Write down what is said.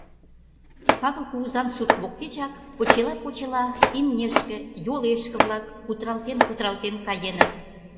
Павыл кугызан сурт воктечак почела-почела имнешке, йолешке-влак кутыралтен-кутыралтен каеныт.